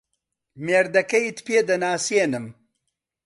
مێردەکەیت پێ دەناسێنم.